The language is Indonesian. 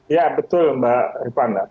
ya betul mbak rikana